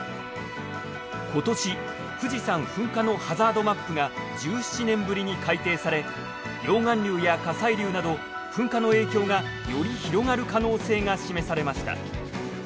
今年富士山噴火のハザードマップが１７年ぶりに改定され溶岩流や火砕流など噴火の影響がより広がる可能性が示されました。